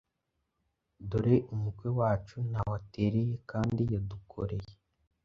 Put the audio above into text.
Dore umukwe wacu ntaho atereye kandi yadukoreye